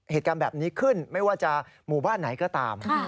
เหตุการณ์แบบนี้ขึ้นไม่ว่าจะหมู่บ้านไหนก็ตาม